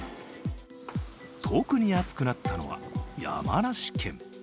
特に暑くなったのは山梨県。